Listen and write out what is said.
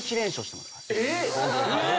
えっ！